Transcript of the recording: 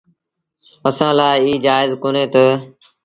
اسآݩٚ لآ ايٚ جآئيز ڪونهي تا